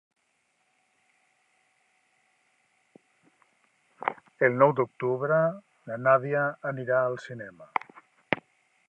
El nou d'octubre na Nàdia anirà al cinema.